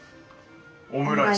オムライス。